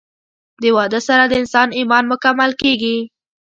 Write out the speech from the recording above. د واده سره د انسان ايمان مکمل کيږي